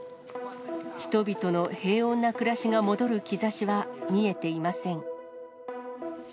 人々の平穏な暮らしが戻る兆しは見えていません。